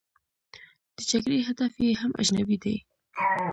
د جګړې هدف یې هم اجنبي دی.